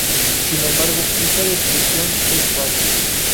Sin embargo esta descripción es falsa.